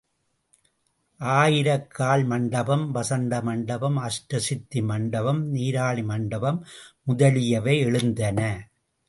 ஆயிரக்கால் மண்டபம், வசந்த மண்டபம், அஷ்ட சித்தி மண்டபம், நீராழி மண்டபம் முதலியவை எழுந்தன.